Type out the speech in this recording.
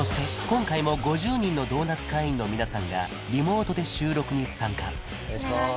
今回も５０人のドーナツ会員の皆さんがリモートで収録に参加お願いします